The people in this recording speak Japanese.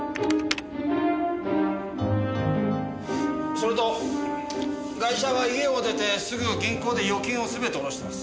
それとガイシャは家を出てすぐ銀行で預金を全て下ろしています。